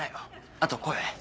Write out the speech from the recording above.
あと声